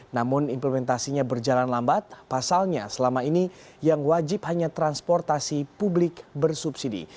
namun implementasinya berjalan lambat pasalnya selama ini yang wajib hanya transportasi publik bersubsidi